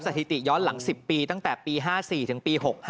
สถิติย้อนหลัง๑๐ปีตั้งแต่ปี๕๔ถึงปี๖๕